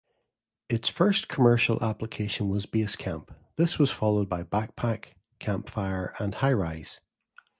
Its first commercial application was "Basecamp"; this was followed by Backpack, Campfire, and Highrise.